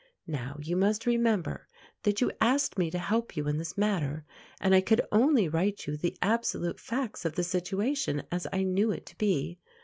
Now you must remember that you asked me to help you in this matter, and I could only write you the absolute facts of the situation, as I knew it to be.